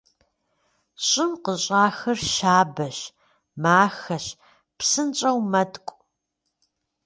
Щӏым къыщӏахыр щабэщ, махэщ, псынщӏэу мэткӏу.